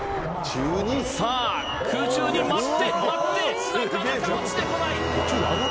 さあ、空中に舞って、舞って、なかなか落ちてこない。